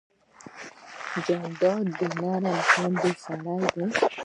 جانداد د نرمې تندې سړی دی.